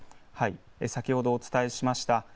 先ほどお伝えしました。